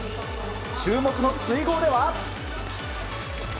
注目の水濠では。